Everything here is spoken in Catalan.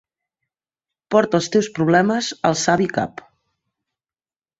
Porta els teus problemes al savi cap.